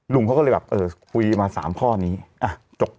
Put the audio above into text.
เขาก็เลยแบบเออคุยมา๓ข้อนี้อ่ะจบ